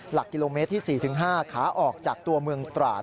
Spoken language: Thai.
หลักกิโลเมตรที่๔๕ขาออกจากตัวเมืองตราด